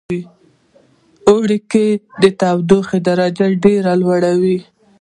اوړی کې د تودوخې درجه ډیره لوړه وی